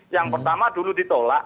yang pertama dulu ditolak